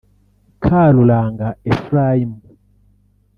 Karuranga Ephraim